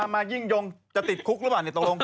มายิ่งยงจะติดคุกหรือเปล่าตกลง